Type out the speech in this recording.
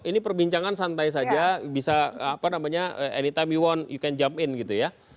ini perbincangan santai saja bisa apa namanya anytime yon you can jump in gitu ya